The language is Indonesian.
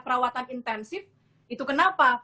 perawatan intensif itu kenapa